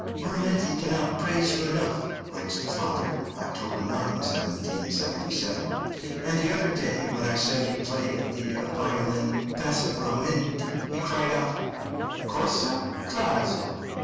"Brunetti cannot praise you enough," writes the father (October 9, 1777); "and the other day, when I said you played the violin 'passabilmente,' he cried out, 'Cosa? cazzo!